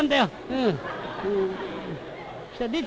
うん。